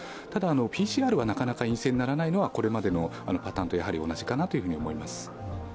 ただ、ＰＣＲはなかなか陰性にならないのはこれまでのパターンと同じかなと思います。